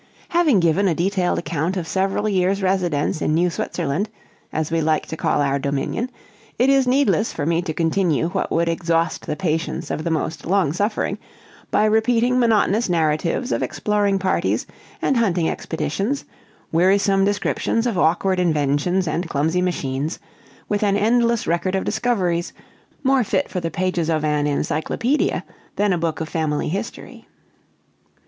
Having given a detailed account of several years' residence in New Switzerland, as we liked to call our dominion, it is needless for me to continue what would exhaust the patience of the most long suffering, by repeating monotonous narratives of exploring parties and hunting expeditions, wearisome descriptions of awkward inventions and clumsy machines, with an endless record of discoveries, more fit for the pages of an encyclopedia than a book of family history.